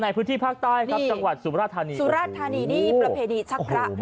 ในพื้นที่ภาคใต้ครับจังหวัดสุมราชธานีสุราธานีนี่ประเพณีชักพระ